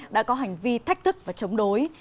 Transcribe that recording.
đã có hành vi thách thức và chống đối